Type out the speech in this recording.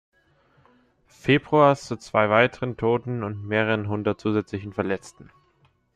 Februars zu zwei weiteren Toten und mehreren hundert zusätzlichen Verletzten.